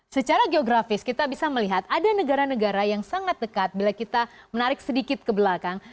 secara geografis kita bisa melihat ada negara negara yang sangat dekat bila kita menarik sedikit ke belakang